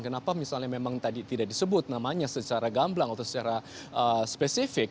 kenapa misalnya memang tadi tidak disebut namanya secara gamblang atau secara spesifik